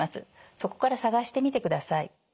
そこから探してみてください。